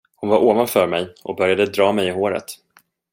Hon var ovanför mig och började dra mig i håret.